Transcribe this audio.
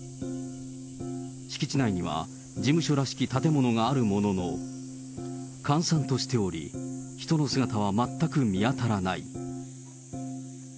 敷地内には事務所らしき建物があるものの、閑散としており、人の姿は全く見当たらない。